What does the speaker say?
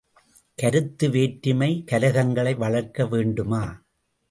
கருத்து வேற்றுமை கலகங்களை வளர்க்க வேண்டுமா?